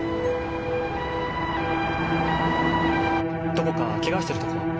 どこかケガしてるところは？